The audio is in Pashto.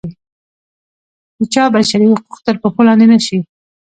د چا بشري حقوق تر پښو لاندې نه شي.